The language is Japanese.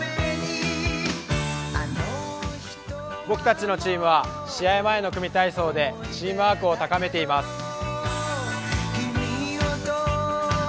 僕たちのチームは試合前の組体操でチームワークを高めています。